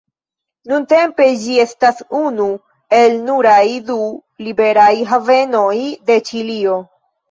Nuntempe ĝi estas unu el nuraj du liberaj havenoj de Ĉilio.